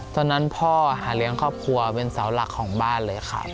ตอนนั้นพ่อหาเลี้ยงครอบครัวเป็นเสาหลักของบ้านเลยครับ